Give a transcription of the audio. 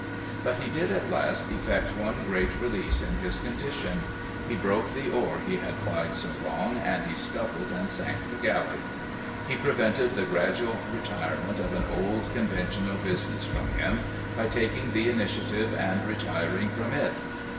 But he did at last effect one great release in his condition. He broke the oar he had plied so long, and he scuttled and sank the galley. He prevented the gradual retirement of an old conventional business from him, by taking the initiative and retiring from it.